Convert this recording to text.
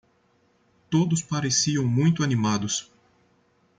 Todos pareciam muito animados.